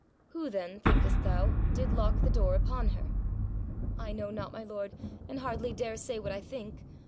Who then, thinkest thou, did lock the door upon her?' 'I know not, my lord, and dare hardly say what I think.